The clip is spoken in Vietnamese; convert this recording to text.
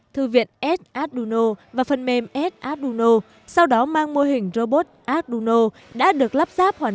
thư viện s arduino và phần mềm s arduino sau đó mang mô hình robot arduino đã được lắp ráp hoàn